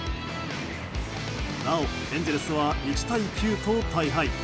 なおエンゼルスは１対９と大敗。